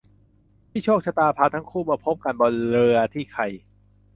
ที่โชคชะตาพาทั้งคู่มาพบกันบนเรือที่ใคร